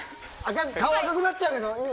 顔赤くなっちゃうけどいい。